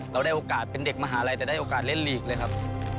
ได้โอกาสเป็นเด็กมหาลัยแต่ได้โอกาสเล่นลีกเลยครับ